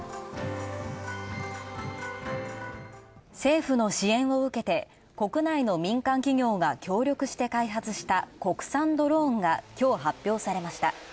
政府の支援を受けて、国内の民間企業が協力して開発した国産ドローンが、きょう発表されました。